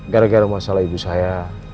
gara gara masalah ibu saya